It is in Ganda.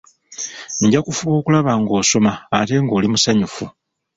Nja kufuba okulaba ng'osoma ate ng'oli musanyufu.